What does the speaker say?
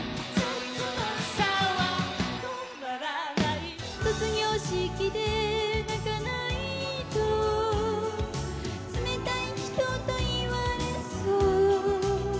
「せつなさは止まらない」「卒業式で泣かないと冷たい人と言われそう」